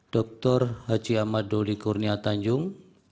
dr haji ahmad doli kurnia tanjung